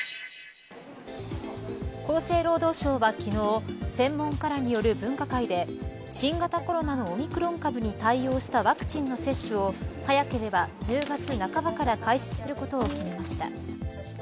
厚生労働省は、昨日専門家らによる分科会で新型コロナのオミクロン株に対応したワクチンの接種を早ければ１０月半ばから開始することを決めました。